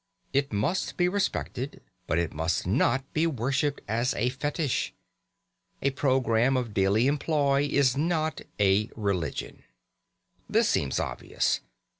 It must be respected, but it must not be worshipped as a fetish. A programme of daily employ is not a religion. This seems obvious.